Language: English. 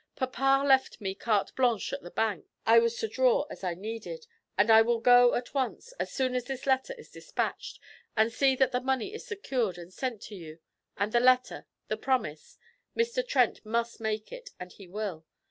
Papa left me carte blanche at the bank; I was to draw as I needed, and I will go at once, as soon as this letter is despatched, and see that the money is secured and sent to you; and the letter the promise Mr. Trent must make it, and he will.